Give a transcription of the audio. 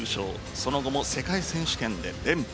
その後も世界選手権で連覇。